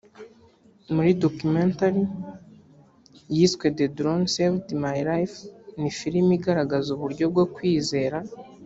muri documentary yiswe the drone saved my life ni filimi igaragaza uburyo bwo kwizera